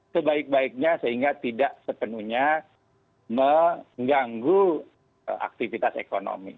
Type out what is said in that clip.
sebaik baiknya sehingga tidak sepenuhnya mengganggu aktivitas ekonomi